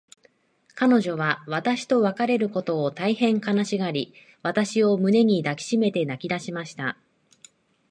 彼女は私と別れることを、大へん悲しがり、私を胸に抱きしめて泣きだしました。